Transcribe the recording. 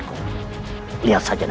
akan mengembangkan rai subang larang